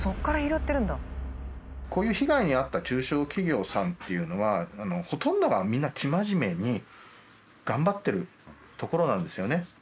こういう被害に遭った中小企業さんっていうのはほとんどがみんな生真面目に頑張ってるところなんですよね。